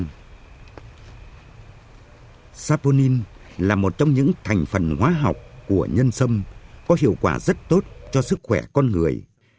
cây sâm ngọc linh là một trong những thành phần hóa học của nhân sâm có hiệu quả rất tốt cho sức khỏe con người